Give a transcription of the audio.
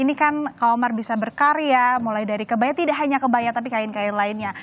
ini kan kamar bisa berkarya mulai dari kebaya tidak hanya kebaya tapi kain kain lainnya